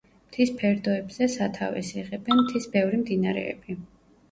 მთის ფერდოებზე სათავეს იღებენ მთის ბევრი მდინარეები.